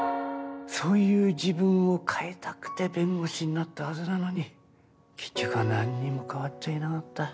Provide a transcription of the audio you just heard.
そういう自分を変えたくて弁護士になったはずなのに結局は何にも変わっちゃいなかった。